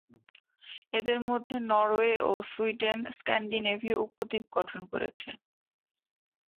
এদের মধ্যে নরওয়ে ও সুইডেন স্ক্যান্ডিনেভীয় উপদ্বীপ গঠন করেছে।